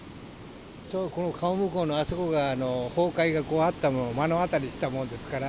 ちょうどこの川向こうのあそこが、崩壊があったのを、目の当たりにしたものですから。